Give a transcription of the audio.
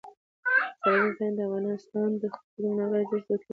سیلانی ځایونه د افغانستان د اقتصادي منابعو ارزښت زیاتوي.